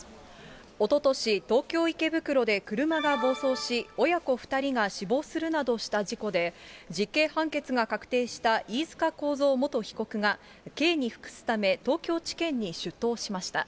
おととし、東京・池袋で車が暴走し、親子２人が死亡するなどした事故で、実刑判決が確定した飯塚幸三元被告が、刑に服すため、東京地検に出頭しました。